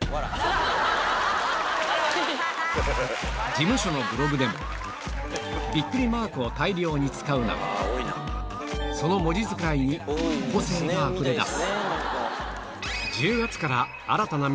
事務所のブログでもびっくりマークを大量に使うなどその文字使いにどうも岸と申します